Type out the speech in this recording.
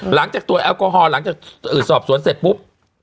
หลังจากตรวจแอลกอฮอลหลังจากสอบสวนเสร็จปุ๊บ